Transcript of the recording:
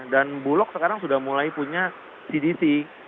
dan blok sekarang sudah mulai punya cdc